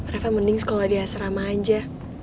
reva mending sekolah di asrama aja